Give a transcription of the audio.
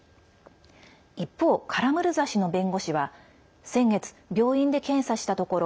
一方、カラムルザ氏の弁護士は先月、病院で検査したところ